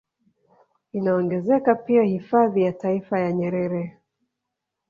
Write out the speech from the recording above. Inaongezeka pia hifadhi ya taifa ya Nyerere